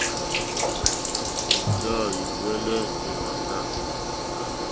Èndáwò yǔŋwɛ̀lɛ̀ èwàŋgá.